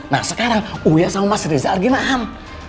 nah sekarang uya sama mas reza arginam